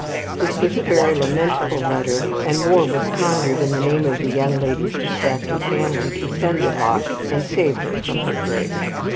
This was a very lamentable letter, and Moore was conjured, in the name of the young lady's distracted family, to send the lock, and save her from the grave.